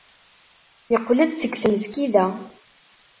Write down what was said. Yeqqel-d seg tmesgida.